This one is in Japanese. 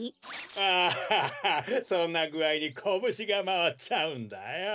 アハハハそんなぐあいにコブシがまわっちゃうんだよ。